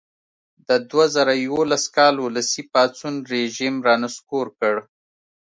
د دوه زره یوولس کال ولسي پاڅون رژیم را نسکور کړ.